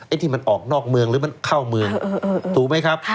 ที่มันออกนอกเมืองหรือมันเข้าเมืองถูกไหมครับ